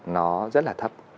nó rất là thấp